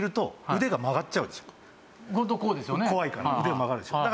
腕曲がるでしょ。